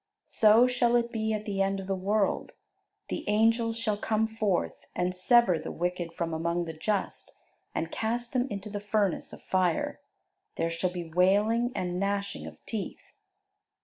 So shall it be at the end of the world: the angels shall come forth, and sever the wicked from among the just, and cast them into the furnace of fire. There shall be wailing and gnashing of teeth."